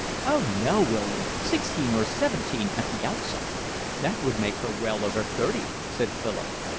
"Oh no, William. Sixteen or seventeen at the outside." "That would make her well over thirty," said Philip.